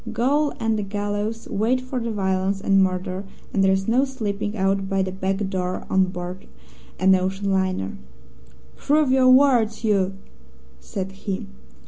Gaol and the gallows wait for violence and murder, and there's no slipping out by the back door on board an ocean liner. "'Prove your words, you !' said he.